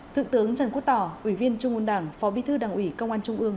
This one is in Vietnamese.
thượng tướng trần quốc tỏ ủy viên trung ương đảng phó bí thư đảng ủy công an trung ương